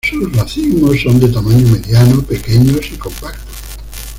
Sus racimos son de tamaño mediano, pequeños y compactos.